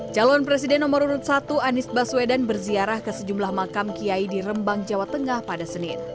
jalur presiden nomor satu anis baswedan berziarah ke sejumlah makam kiai di rembang jawa tengah pada senin